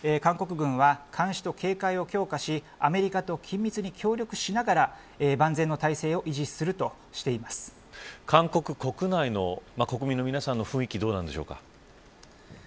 韓国軍は、監視と警戒を強化しアメリカと緊密に協力しながら万全の体制を維持すると韓国国内の国民の皆さんの雰囲気、どうなんでしょうか。